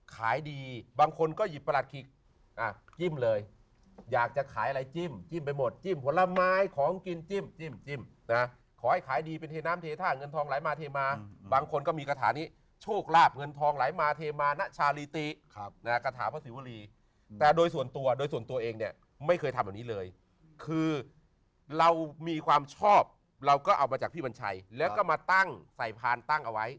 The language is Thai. ขายดีบางคนก็หยิบประหลัดขิกอ่ะจิ้มเลยอยากจะขายอะไรจิ้มจิ้มไปหมดจิ้มผลไม้ของกินจิ้มจิ้มนะขอให้ขายดีเป็นเทน้ำเทท่าเงินทองไหลมาเทมาบางคนก็มีกระถานี้โชคลาบเงินทองไหลมาเทมานะชาลีติกระถาพระศิวรีแต่โดยส่วนตัวโดยส่วนตัวเองเนี่ยไม่เคยทำแบบนี้เลยคือเรามีความชอบเราก็เอามาจากพี่วัญชัยแล้วก็มาตั้งใส่พานตั้งเอาไว้